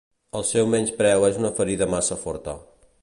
El seu menyspreu és una ferida massa forta.